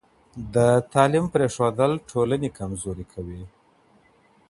د تعلیم پرېښودل د ټولنې کمزوري کوي.